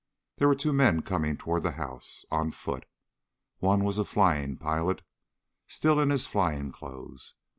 There were two men coming toward the house, on foot. One was a flying pilot, still in his flying clothes.